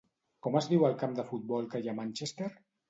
Com es diu el camp de futbol que hi ha a Manchester?